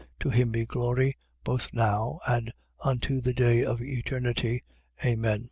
To him be glory both now and unto the day of eternity, Amen.